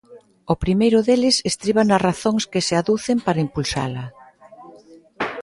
O primeiro deles estriba nas razóns que se aducen para impulsala.